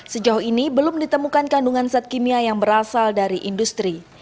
sejauh ini belum ditemukan kandungan zat kimia yang berasal dari industri